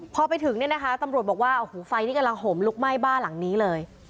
พอไปถึงเนี่ยนะคะตำรวจบอกว่าโอ้โหไฟนี่กำลังห่มลุกไหม้บ้านหลังนี้เลย